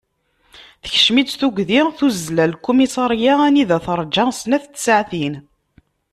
Tekcem-itt tugdi, tuzzel ɣer lkumisarya anida terǧa snat n tsaɛtin.